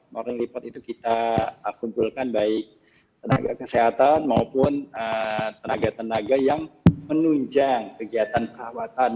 morning lipat itu kita kumpulkan baik tenaga kesehatan maupun tenaga tenaga yang menunjang kegiatan perawatan